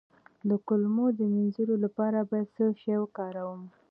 د کولمو د مینځلو لپاره باید څه شی وکاروم؟